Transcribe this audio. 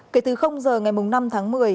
kể từ giờ ngày năm tháng một mươi